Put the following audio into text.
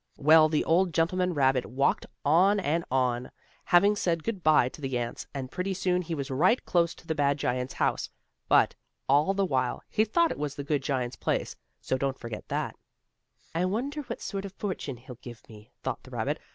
Well, the old gentleman rabbit walked on and on, having said good by to the ants, and pretty soon he was right close to the bad giant's house. But, all the while, he thought it was the good giant's place so don't forget that. "I wonder what sort of a fortune he'll give me," thought the rabbit.